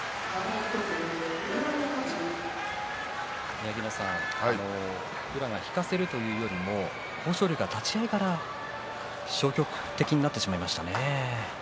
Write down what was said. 宮城野さん宇良が引かせるというよりも豊昇龍が立ち合いから消極的になってしまいましたね。